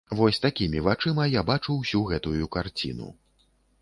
Вось такімі вачыма я бачу ўсю гэтую карціну.